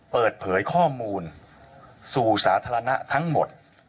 เปิดเผยข้อมูลสู่สาธารณะทั้งหมด